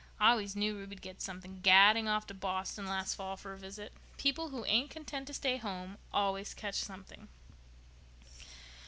I always knew Ruby'd get something, gadding off to Boston last fall for a visit. People who ain't content to stay home always catch something."